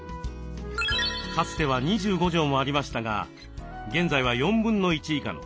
かつては２５畳もありましたが現在は４分の１以下の６畳に。